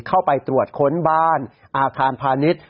เข้าไปตรวจค้นบ้านอาคารพาณิชย์